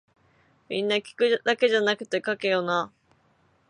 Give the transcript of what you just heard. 皆聞くだけじゃなくて書けよな